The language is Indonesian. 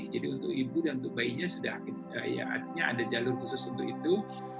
jadi untuk ibu dan untuk bayinya sudah ada jalur khusus untuk itu